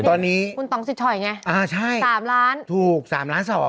ตอนนี้คุณต้องสิดฉ่อยไงสามล้านใช่ถูก๓๒ล้าน